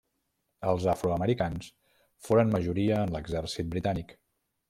Els afroamericans foren majoria en l'exèrcit britànic.